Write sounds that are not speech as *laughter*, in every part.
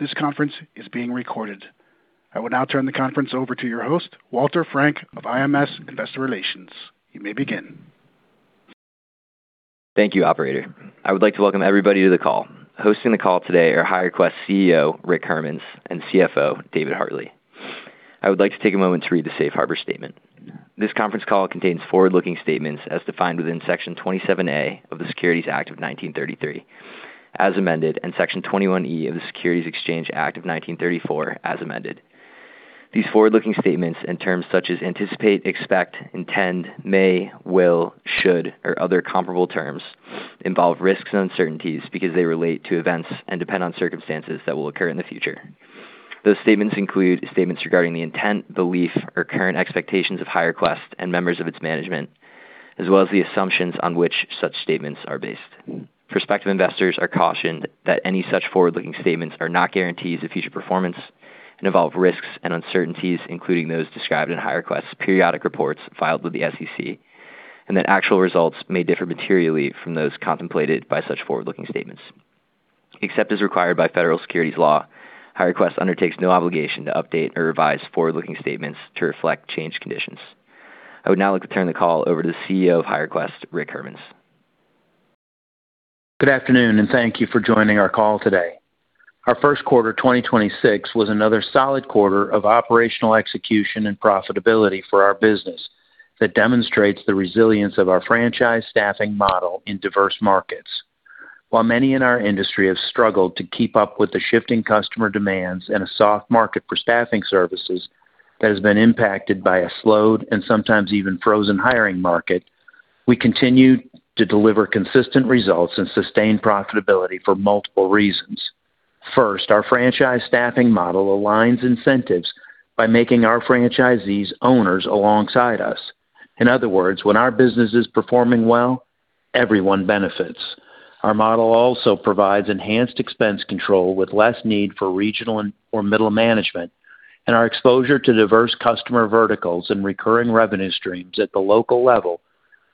Note, this conference is being recorded. I will now turn the conference over to your host, John Nesbett of IMS Investor Relations. You may begin. Thank you, operator. I would like to welcome everybody to the call. Hosting the call today are HireQuest CEO, Rick Hermanns, and CFO, David Hartley. I would like to take a moment to read the Safe Harbor statement. This conference call contains forward-looking statements as defined within Section 27A of the Securities Act of 1933 as amended, and Section 21E of the Securities Exchange Act of 1934 as amended. These forward-looking statements and terms such as anticipate, expect, intend, may, will, should, or other comparable terms involve risks and uncertainties because they relate to events and depend on circumstances that will occur in the future. Those statements include statements regarding the intent, belief, or current expectations of HireQuest and members of its management, as well as the assumptions on which such statements are based. Prospective investors are cautioned that any such forward-looking statements are not guarantees of future performance and involve risks and uncertainties, including those described in HireQuest's periodic reports filed with the SEC, and that actual results may differ materially from those contemplated by such forward-looking statements. Except as required by federal securities law, HireQuest undertakes no obligation to update or revise forward-looking statements to reflect changed conditions. I would now like to turn the call over to the CEO of HireQuest, Rick Hermanns. Good afternoon, and thank you for joining our call today. Our first quarter 2026 was another solid quarter of operational execution and profitability for our business that demonstrates the resilience of our franchise staffing model in diverse markets. While many in our industry have struggled to keep up with the shifting customer demands and a soft market for staffing services that has been impacted by a slowed and sometimes even frozen hiring market, we continue to deliver consistent results and sustain profitability for multiple reasons. First, our franchise staffing model aligns incentives by making our franchisees owners alongside us. In other words, when our business is performing well, everyone benefits. Our model also provides enhanced expense control with less need for regional and/or middle management, and our exposure to diverse customer verticals and recurring revenue streams at the local level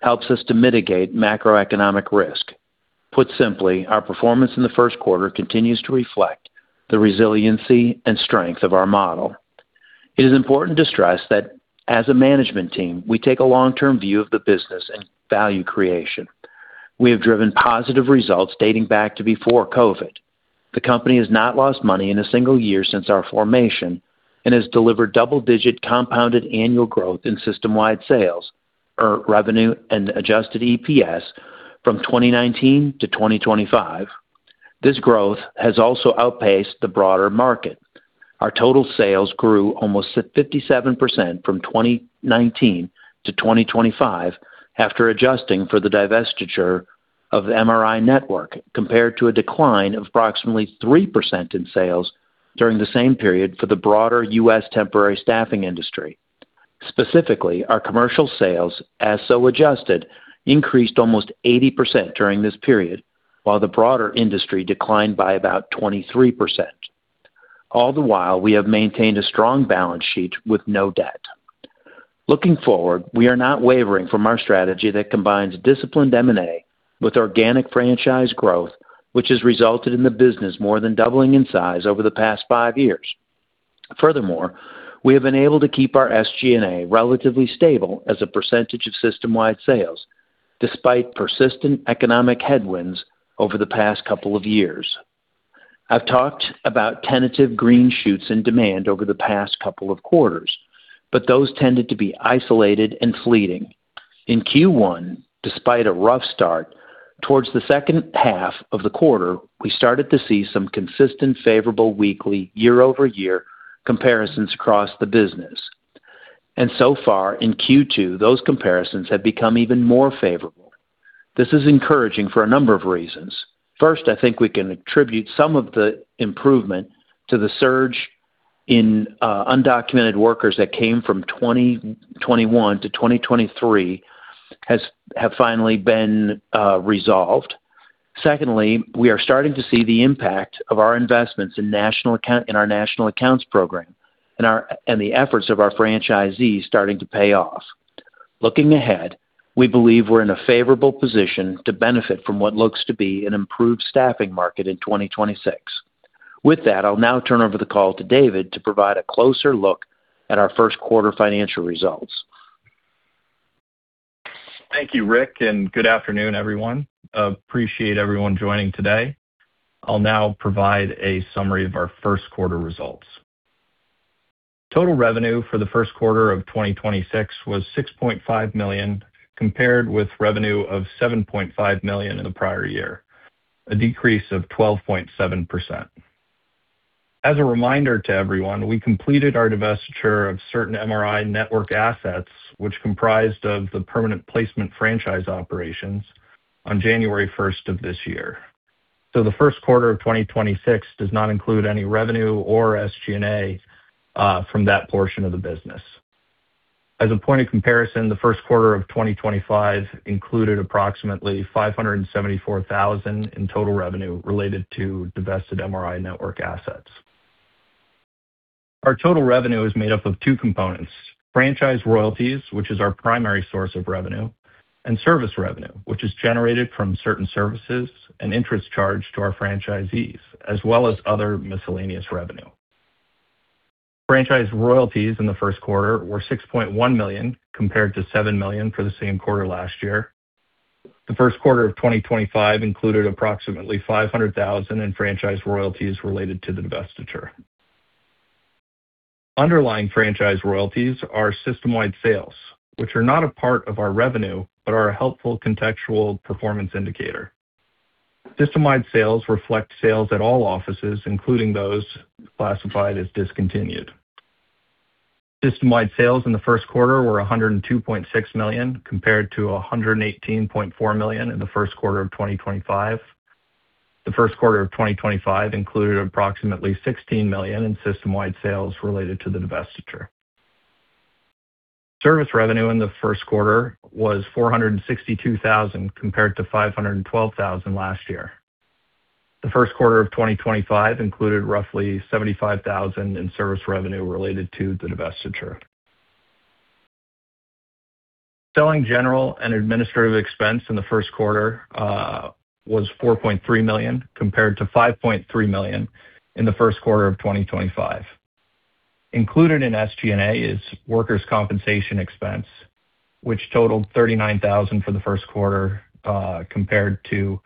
helps us to mitigate macroeconomic risk. Put simply, our performance in the first quarter continues to reflect the resiliency and strength of our model. It is important to stress that as a management team, we take a long-term view of the business and value creation. We have driven positive results dating back to before COVID. The company has not lost money in a single year since our formation and has delivered double-digit compounded annual growth in system-wide sales or revenue and adjusted EPS from 2019 to 2025. This growth has also outpaced the broader market. Our total sales grew almost at 57% from 2019 to 2025 after adjusting for the divestiture of MRI Network, compared to a decline of approximately 3% in sales during the same period for the broader US temporary staffing industry. Specifically, our commercial sales, as so adjusted, increased almost 80% during this period, while the broader industry declined by about 23%. All the while, we have maintained a strong balance sheet with no debt. Looking forward, we are not wavering from our strategy that combines disciplined M&A with organic franchise growth, which has resulted in the business more than doubling in size over the past five years. Furthermore, we have been able to keep our SG&A relatively stable as a percentage of system-wide sales, despite persistent economic headwinds over the past couple of years. I've talked about tentative green shoots in demand over the past couple of quarters, but those tended to be isolated and fleeting. In Q1, despite a rough start, towards the second half of the quarter, we started to see some consistent favorable weekly year-over-year comparisons across the business. And so far in Q2, those comparisons have become even more favorable. This is encouraging for a number of reasons. First, I think we can attribute some of the improvement to the surge in undocumented workers that came from 2021 to 2023 have finally been resolved. Secondly, we are starting to see the impact of our investments in our national accounts program and the efforts of our franchisees starting to pay off. Looking ahead, we believe we're in a favorable position to benefit from what looks to be an improved staffing market in 2026. With that, I'll now turn over the call to David to provide a closer look at our first quarter financial results. Thank you, Rick, and good afternoon, everyone. Appreciate everyone joining today. I'll now provide a summary of our first quarter results. Total revenue for the first quarter of 2026 was $6.5 million, compared with revenue of $7.5 million in the prior year, a decrease of 12.7%. As a reminder to everyone, we completed our divestiture of certain MRI Network assets, which comprised of the permanent placement franchise operations on January 1st of this year. The first quarter of 2026 does not include any revenue or SG&A from that portion of the business. As a point of comparison, the first quarter of 2025 included approximately $574,000 in total revenue related to divested MRI Network assets. Our total revenue is made up of two components, franchise royalties, which is our primary source of revenue, and service revenue, which is generated from certain services and interest charged to our franchisees, as well as other miscellaneous revenue. Franchise royalties in the first quarter were $6.1 million, compared to $7 million for the same quarter last year. The first quarter of 2025 included approximately $500,000 in franchise royalties related to the divestiture. Underlying franchise royalties are system-wide sales, which are not a part of our revenue, but are a helpful contextual performance indicator. System-wide sales reflect sales at all offices, including those classified as discontinued. System-wide sales in the first quarter were $102.6 million compared to $118.4 million in the first quarter of 2025. The first quarter of 2025 included approximately $16 million in system-wide sales related to the divestiture. Service revenue in the first quarter was $462,000 compared to $512,000 last year. The first quarter of 2025 included roughly $75,000 in service revenue related to the divestiture. Selling, General & Administrative expense in the first quarter was $4.3 million compared to $5.3 million in the first quarter of 2025. Included in SG&A is workers' compensation expense, which totaled $39,000 for the first quarter compared to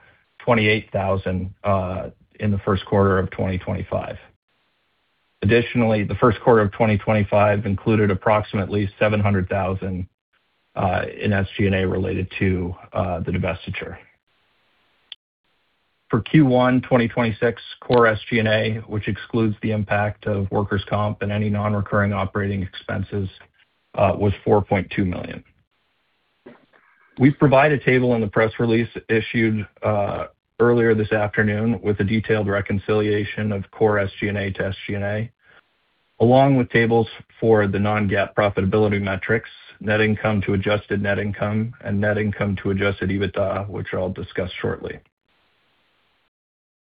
$28,000 in the first quarter of 2025. Additionally, the first quarter of 2025 included approximately $700,000 in SG&A related to the divestiture. For Q1 2026 core SG&A which excludes the impact of workers' comp and any non-recurring operating expenses, was $4.2 million. We've provided a table in the press release issued earlier this afternoon with a detailed reconciliation of core SG&A to SG&A, along with tables for the non-GAAP profitability metrics, net income to adjusted net income and net income to adjusted EBITDA, which I'll discuss shortly.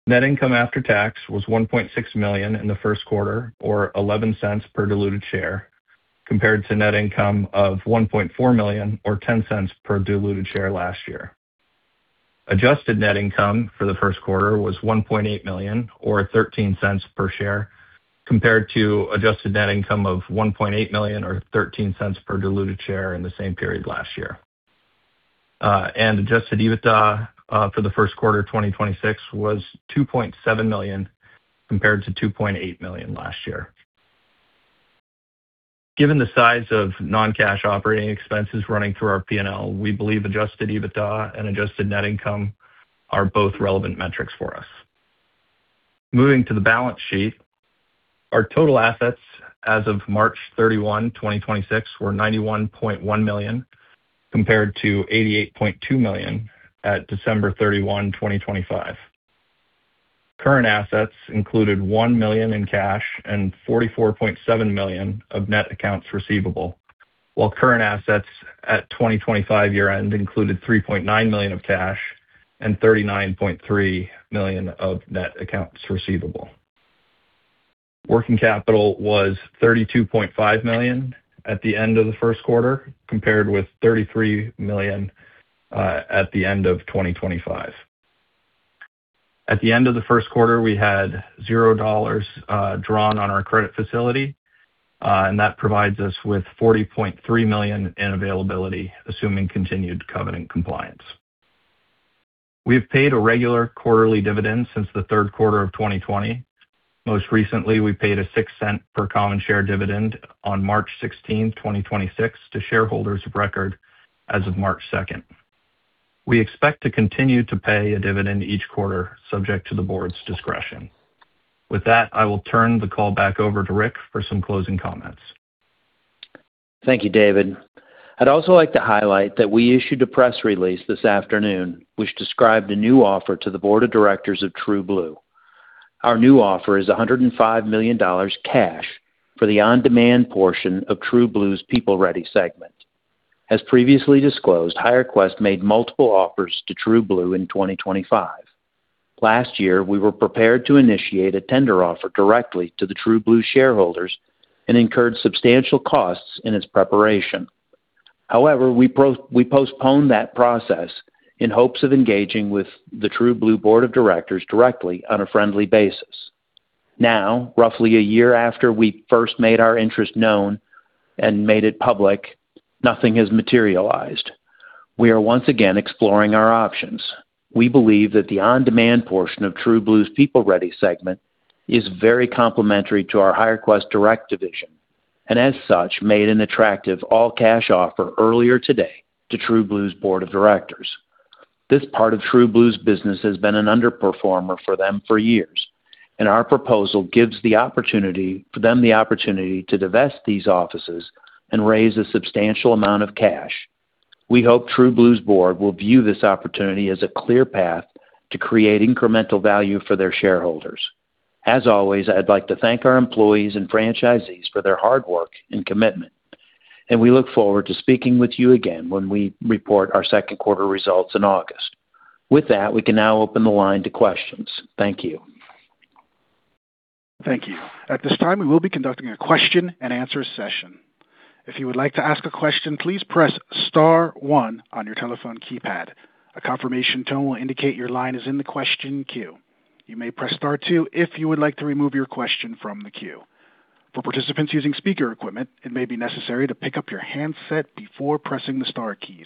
Net income after tax was $1.6 million in the first quarter or $0.11 per diluted share, compared to net income of $1.4 million or $0.10 per diluted share last year. Adjusted net income for the first quarter was $1.8 million or $0.13 per share, compared to adjusted net income of $1.8 million or $0.13 per diluted share in the same period last year. Adjusted EBITDA for the first quarter of 2026 was $2.7 million compared to $2.8 million last year. Given the size of non-cash operating expenses running through our P&L, we believe adjusted EBITDA and adjusted net income are both relevant metrics for us. Moving to the balance sheet. Our total assets as of March 31, 2026, were $91.1 million, compared to $88.2 million at December 31, 2025. Current assets included $1 million in cash and $44.7 million of net accounts receivable, while current assets at 2025 year-end included $3.9 million of cash and $39.3 million of net accounts receivable. Working capital was $32.5 million at the end of the first quarter, compared with $33 million at the end of 2025. At the end of the first quarter, we had zero dollars drawn on our credit facility, and that provides us with $40.3 million in availability, assuming continued covenant compliance. We have paid a regular quarterly dividend since the third quarter of 2020. Most recently, we paid a $0.06 per common share dividend on March 16th, 2026 to shareholders of record as of March 2nd. We expect to continue to pay a dividend each quarter subject to the board's discretion. With that, I will turn the call back over to Rick for some closing comments. Thank you, David. I'd also like to highlight that we issued a press release this afternoon, which described a new offer to the board of directors of TrueBlue. Our new offer is $105 million cash for the on-demand portion of TrueBlue's PeopleReady segment. As previously disclosed, HireQuest made multiple offers to TrueBlue in 2025. Last year, we were prepared to initiate a tender offer directly to the TrueBlue shareholders and incurred substantial costs in its preparation. We postponed that process in hopes of engaging with the TrueBlue board of directors directly on a friendly basis. Roughly a year after we first made our interest known and made it public, nothing has materialized. We are once again exploring our options. We believe that the on-demand portion of TrueBlue's PeopleReady segment is very complementary to our HireQuest Direct division, and as such, made an attractive all-cash offer earlier today to TrueBlue's board of directors. This part of TrueBlue's business has been an underperformer for them for years, and our proposal gives the opportunity for them the opportunity to divest these offices and raise a substantial amount of cash. We hope TrueBlue's board will view this opportunity as a clear path to create incremental value for their shareholders. As always, I'd like to thank our employees and franchisees for their hard work and commitment. We look forward to speaking with you again when we report our second quarter results in August. With that, we can now open the line to questions. Thank you. Thank you. At this time, we will be conducting a question and answer session. If you would like to ask a question, please press star one on your telephone keypad. A confirmation tone will indicate your line is in the question queue. You may press star two if you would like to remove your question from the queue. For participants using speaker equipment, it may be necessary to pick up your handset before pressing the star keys.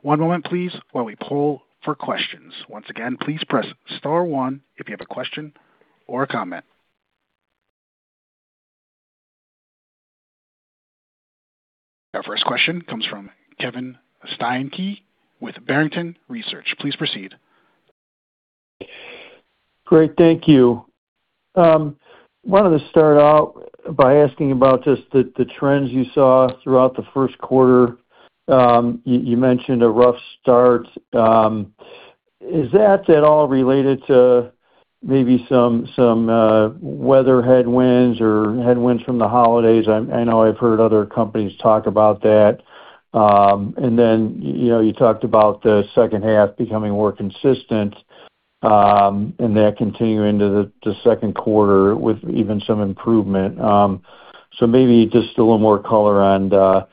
One moment please while we poll for questions. Once again, please press star one if you have a question or a comment. Our first question comes from Kevin Steinke with Barrington Research. Please proceed. Great. Thank you. wanted to start out by asking about just the trends you saw throughout the first quarter. you mentioned a rough start. Is that at all related to maybe some weather headwinds or headwinds from the holidays? I know I've heard other companies talk about that. You know, you talked about the second half becoming more consistent, and that continuing to the second quarter with even some improvement. Maybe just a little more color on the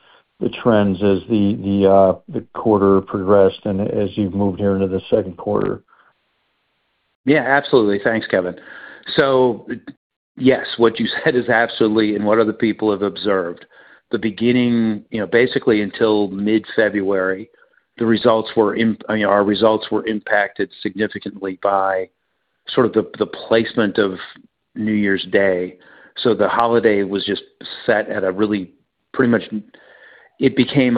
trends as the quarter progressed and as you've moved here into the second quarter. Yeah, absolutely. Thanks, Kevin. Yes, what you said is absolutely and what other people have observed. The beginning, basically until mid-February, the results were impacted significantly by sort of the placement of New Year's Day. The holiday was just set at a really pretty much. It became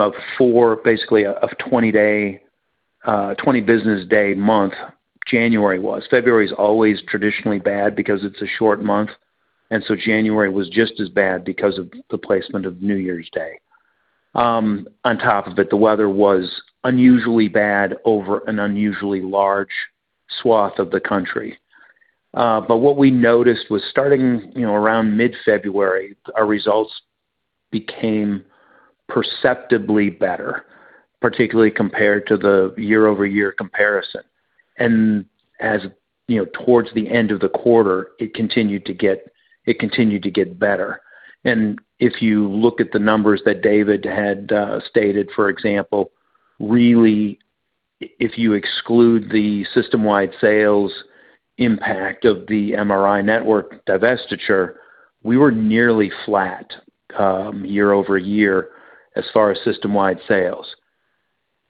basically a 20 day, 20 business day month, January was. February is always traditionally bad because it's a short month. January was just as bad because of the placement of New Year's Day. On top of it, the weather was unusually bad over an unusually large swath of the country. What we noticed was starting around mid-February, our results became perceptibly better, particularly compared to the year-over-year comparison. As, you know, towards the end of the quarter, it continued to get better. If you look at the numbers that David had stated, for example, if you exclude the system-wide sales impact of the MRI Network divestiture, we were nearly flat year-over-year as far as system-wide sales.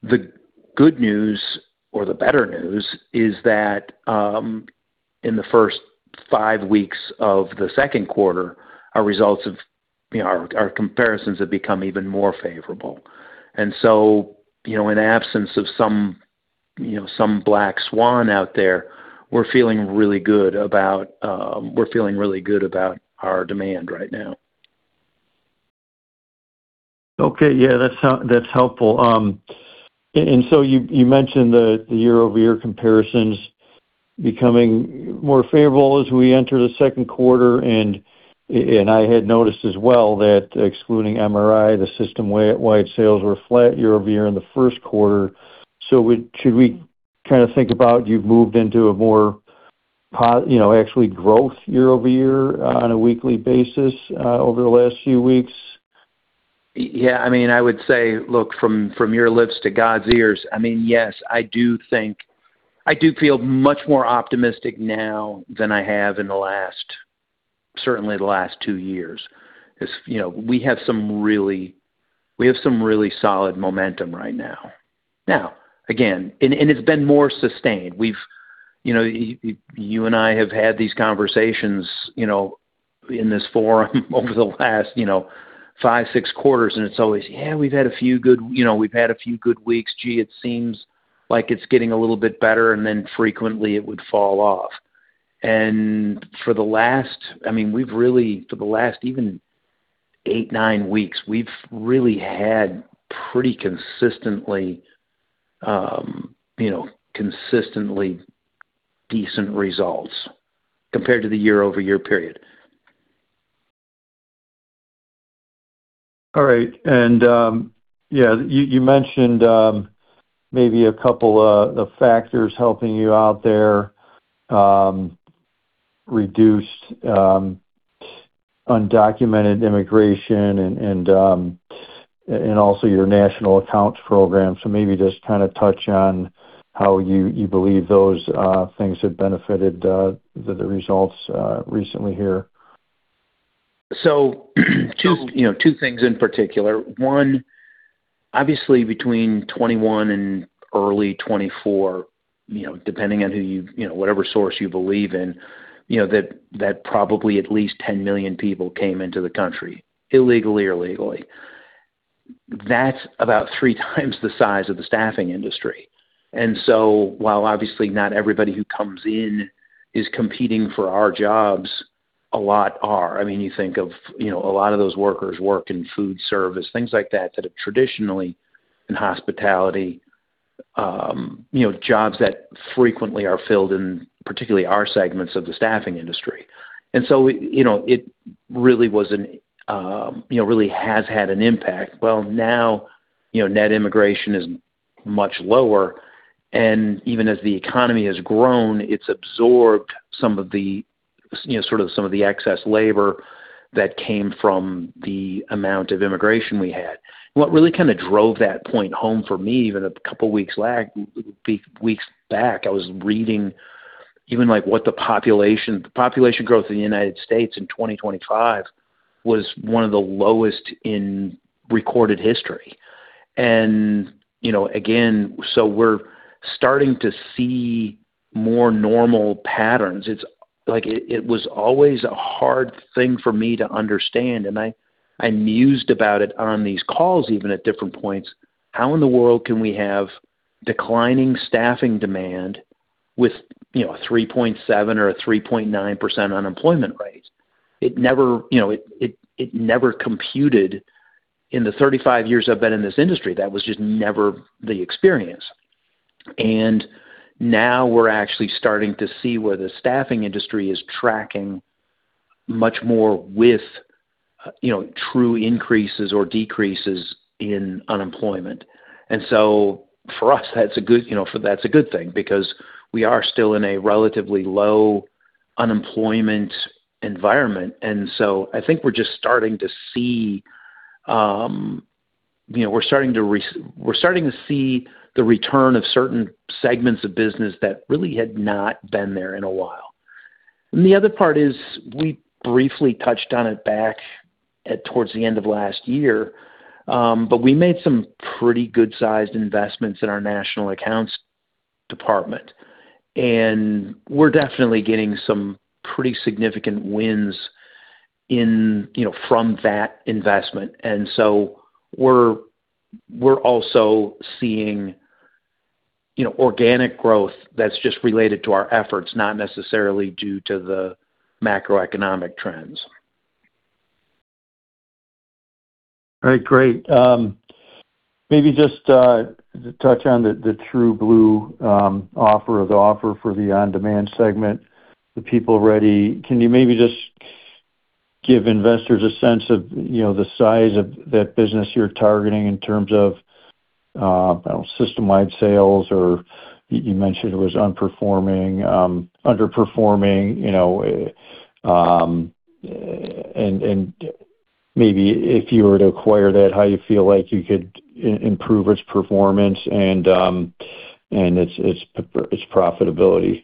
The good news or the better news is that in the first five weeks of the second quarter, our results have, you know, our comparisons have become even more favorable. So, you know, in absence of some, you know, some black swan out there, we're feeling really good about our demand right now. Okay. Yeah, that's helpful. You mentioned the year-over-year comparisons becoming more favorable as we enter the second quarter. I had noticed as well that excluding MRI, the system-wide sales were flat year-over-year in the first quarter. Should we kinda think about you've moved into a more, you know, actually growth year-over-year on a weekly basis over the last few weeks? Yeah. I mean, I would say, look, from your lips to God's ears, I mean, yes, I do feel much more optimistic now than I have in the last, certainly the last two years. Because, you know, we have some really solid momentum right now. Now, again, and it's been more sustained. You know, you and I have had these conversations, you know, in this forum over the last, you know, five, six quarters, It's always, "Yeah, we've had a few good weeks. Gee, it seems like it's getting a little bit better," Then frequently it would fall off. For the last I mean, we've really, for the last even eight, nine weeks, we've really had pretty consistently, you know, consistently decent results compared to the year-over-year period. All right. Yeah, you mentioned maybe a couple of factors helping you out there, reduced undocumented immigration and also your national accounts program. Maybe just kinda touch on how you believe those things have benefited the results recently here. So, you know, two things in particular. One, obviously between 2021 and early 2024, you know, depending on who you know, whatever source you believe in, you know, that probably at least 10 million people came into the country illegally or legally. That's about 3x the size of the staffing industry. While obviously not everybody who comes in is competing for our jobs, a lot are. I mean, you think of, you know, a lot of those workers work in food service, things like that are traditionally in hospitality, you know, jobs that frequently are filled in particularly our segments of the staffing industry. We, you know, it really has had an impact. Now, you know, net immigration is much lower, even as the economy has grown, it's absorbed some of the, you know, sort of some of the excess labor that came from the amount of immigration we had. What really kind of drove that point home for me, even a couple weeks back, I was reading even, like, what the population growth in the U.S. in 2025 was one of the lowest in recorded history. You know, again, we're starting to see more normal patterns. It's, like, it was always a hard thing for me to understand, I mused about it on these calls even at different points. How in the world can we have declining staffing demand with, you know, a 3.7% or a 3.9% unemployment rate? It never, you know, it never computed. In the 35 years I've been in this industry, that was just never the experience. Now we're actually starting to see where the staffing industry is tracking much more with, you know, true increases or decreases in unemployment. For us, that's a good, you know, that's a good thing because we are still in a relatively low unemployment environment. I think we're just starting to see, you know, we're starting to see the return of certain segments of business that really had not been there in a while. The other part is, we briefly touched on it back at towards the end of last year, but we made some pretty good-sized investments in our national accounts department. We're definitely getting some pretty significant wins in, you know, from that investment. We're also seeing, you know, organic growth that's just related to our efforts, not necessarily due to the macroeconomic trends. All right, great. Maybe just touch on the TrueBlue offer, the offer for the on-demand segment, the PeopleReady. Can you maybe just give investors a sense of, you know, the size of that business you're targeting in terms of system-wide sales or you mentioned it was unperforming, underperforming, you know, and maybe if you were to acquire that, how you feel like you could improve its performance and its profitability?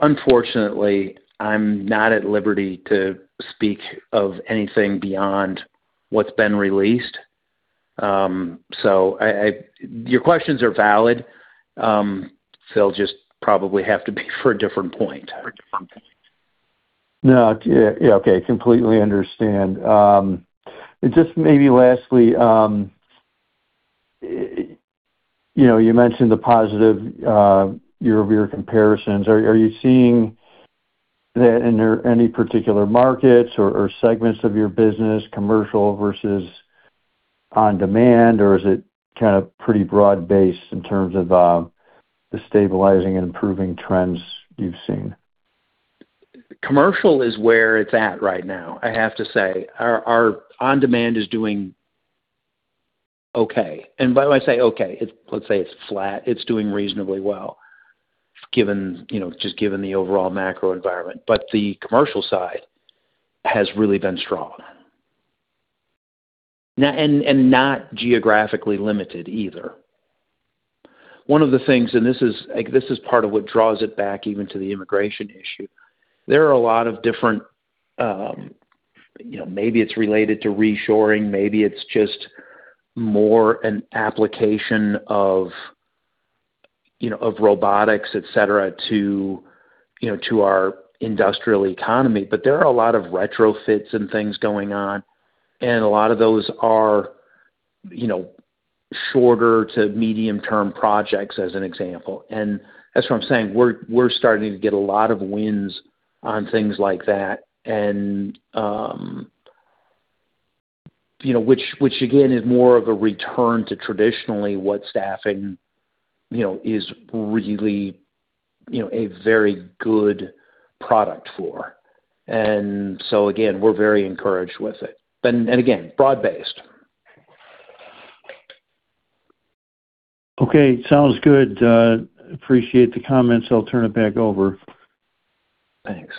Unfortunately, I'm not at liberty to speak of anything beyond what's been released. Your questions are valid, they'll just probably have to be for a different point. No, yeah, okay, completely understand. Just maybe lastly, you know, you mentioned the positive year-over-year comparisons. Are you seeing that in any particular markets or segments of your business, commercial versus on-demand? Or is it kind of pretty broad-based in terms of the stabilizing and improving trends you've seen? Commercial is where it's at right now, I have to say. Our on-demand is doing okay. By when I say okay, it's, let's say it's flat. It's doing reasonably well, given, you know, just given the overall macro environment. The commercial side has really been strong. Not geographically limited either. One of the things, this is, like, this is part of what draws it back even to the immigration issue. There are a lot of different, you know, maybe it's related to reshoring, maybe it's just more an application of, you know, of robotics, et cetera, to, you know, to our industrial economy. There are a lot of retrofits and things going on, and a lot of those are, you know, shorter to medium-term projects, as an example. That's what I'm saying. We're starting to get a lot of wins on things like that and, you know, which again, is more of a return to traditionally what staffing, you know, is really, you know, a very good product for. Again, we're very encouraged with it. Again, broad-based. Okay, sounds good. Appreciate the comments. I'll turn it back over. Thanks.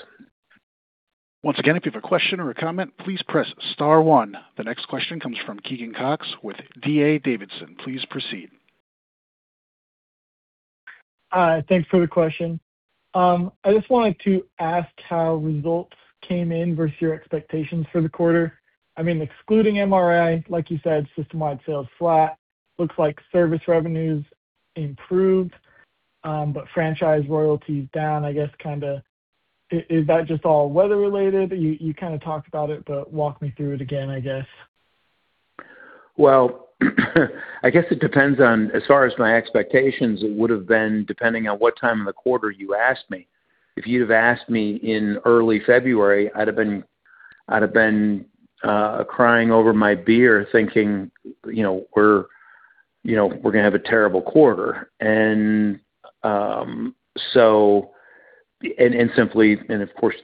Once again, if you have a question or a comment, please press star one. The next question comes from Keegan Cox with D.A. Davidson. Please proceed. Hi, thanks for the question. I just wanted to ask how results came in versus your expectations for the quarter. I mean, excluding MRI, like you said, system-wide sales flat. Looks like service revenues improved, but franchise royalties down, I guess kinda, is that just all weather-related? You kinda talked about it, but walk me through it again, I guess. Well, I guess it depends on, as far as my expectations, it would've been depending on what time in the quarter you asked me. If you'd have asked me in early February, I'd have been crying over my beer thinking, you know, we're, you know, we're gonna have a terrible quarter. Simply and of course,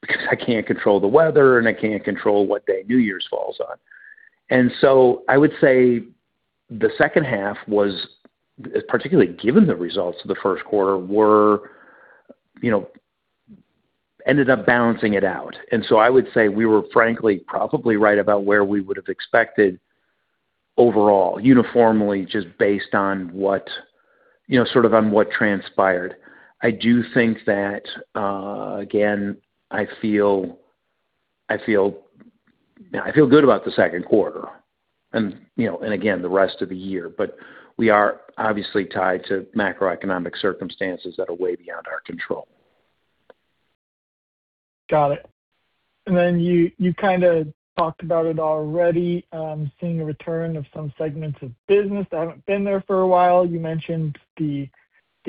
because I can't control the weather and I can't control what day New Year's falls on. I would say the second half was, particularly given the results of the first quarter were, you know, ended up balancing it out. I would say we were frankly probably right about where we would have expected overall uniformly just based on what, you know, sort of on what transpired. I do think that, again, I feel good about the second quarter and, you know, and again, the rest of the year. We are obviously tied to macroeconomic circumstances that are way beyond our control. Got it. You kind of talked about it already, seeing a return of some segments of business that haven't been there for a while. You mentioned the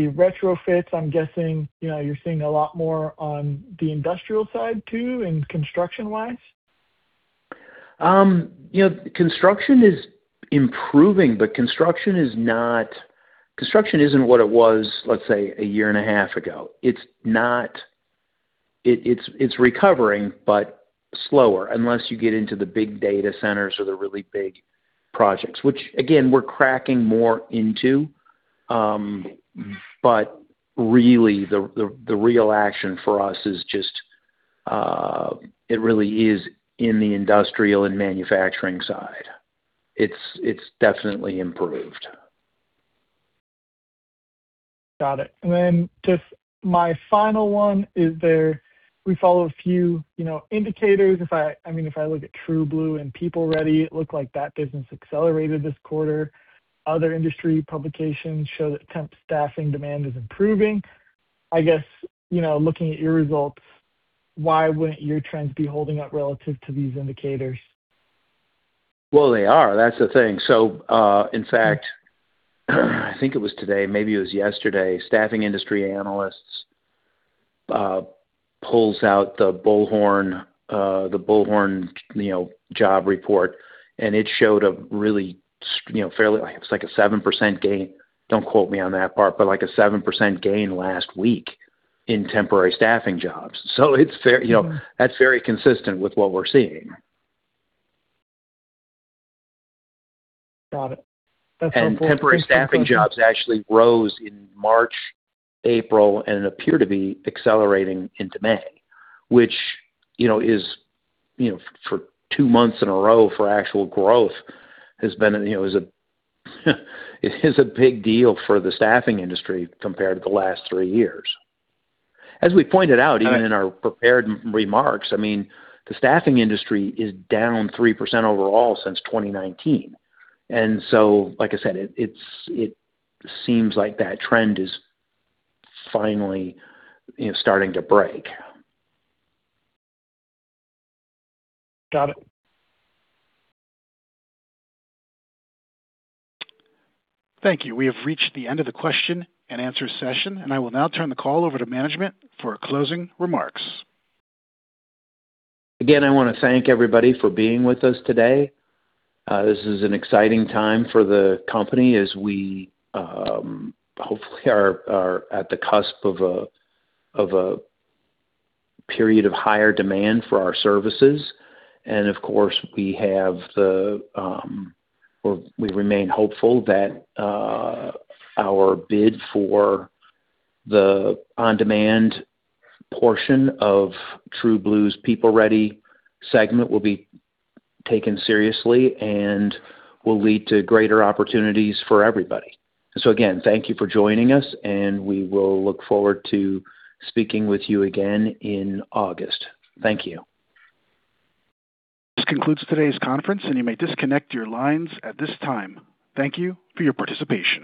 retrofits. I'm guessing, you know, you're seeing a lot more on the industrial side too, and construction-wise. You know, construction isn't what it was, let's say, a year and a half ago. It's recovering, but slower unless you get into the big data centers or the really big projects, which again, we're cracking more into. Really the, the real action for us is just, it really is in the industrial and manufacturing side. It's definitely improved. Got it. Just my final one. We follow a few, you know, indicators. If I mean, if I look at TrueBlue and PeopleReady, it looked like that business accelerated this quarter. Other industry publications show that temp staffing demand is improving. I guess, you know, looking at your results, why wouldn't your trends be holding up relative to these indicators? Well, they are. That's the thing. In fact, I think it was today, maybe it was yesterday, Staffing Industry Analysts pulls out the, *audio distortion* you know, job report, and it showed a really, you know, It was like a 7% gain. Don't quote me on that part, but like a 7% gain last week in temporary staffing jobs. It's, you know, that's very consistent with what we're seeing. Got it. That's helpful. Thank you. Temporary staffing jobs actually rose in March, April, and appear to be accelerating into May, which, you know, is, you know, for two months in a row for actual growth has been, you know, is a, is a big deal for the staffing industry compared to the last three years. As we pointed out even in our prepared remarks, I mean, the staffing industry is down 3% overall since 2019. Like I said, it's, it seems like that trend is finally, you know, starting to break. Got it. Thank you. We have reached the end of the question-and-answer session, and I will now turn the call over to management for closing remarks. Again, I wanna thank everybody for being with us today. This is an exciting time for the company as we hopefully are at the cusp of a period of higher demand for our services. Of course, we remain hopeful that our bid for the on-demand portion of TrueBlue's PeopleReady segment will be taken seriously and will lead to greater opportunities for everybody. Again, thank you for joining us, and we will look forward to speaking with you again in August. Thank you. This concludes today's conference, and you may disconnect your lines at this time. Thank you for your participation.